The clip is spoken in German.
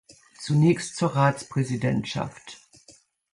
Zunächst zur Ratspräsidentschaft.